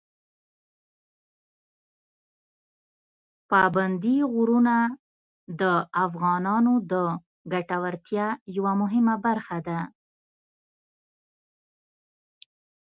پابندي غرونه د افغانانو د ګټورتیا یوه مهمه برخه ده.